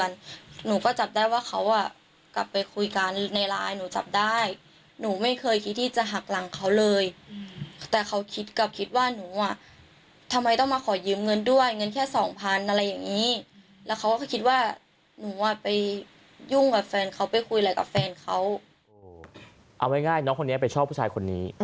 เอาง่ายเนี๊ยะไปชอบพูดชายคนนี้